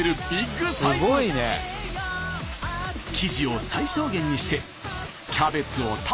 生地を最小限にしてキャベツをたっぷり。